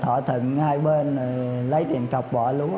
thỏa thuận hai bên lấy tiền cọc bỏ lúa